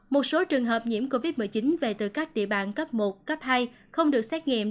một số trường hợp nhiễm covid một mươi chín về từ các địa bàn cấp một cấp hai không được xét nghiệm